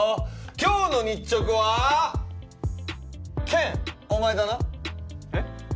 今日の日直は健お前だなえっ？